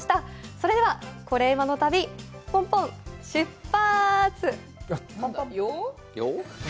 それでは「コレうまの旅」、ポンポン、出発！